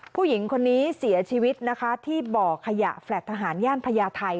ผู้หญิงคนนี้เสียชีวิตนะคะที่บ่อขยะแฟลต์ทหารย่านพญาไทย